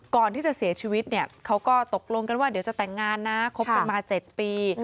ก่อนที่จะเสียชีวิตเนี่ยเขาก็ตกลงกันว่าเดี๋ยวจะแต่งงานนะคบกันมา๗ปี